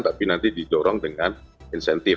tapi nanti didorong dengan insentif